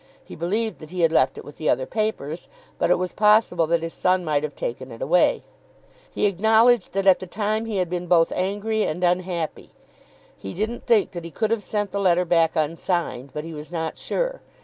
He believed he had left it with the other papers; but it was possible that his son might have taken it away. He acknowledged that at the time he had been both angry and unhappy. He didn't think that he could have sent the letter back unsigned, but he was not sure.